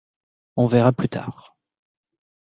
On verra plus tard